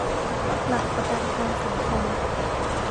หลักประกันทางสังคม